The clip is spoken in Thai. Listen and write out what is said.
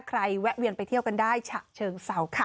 แวะเวียนไปเที่ยวกันได้ฉะเชิงเศร้าค่ะ